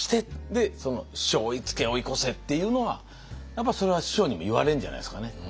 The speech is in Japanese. でその師匠追いつけ追い越せっていうのはやっぱそれは師匠にも言われるんじゃないですかね。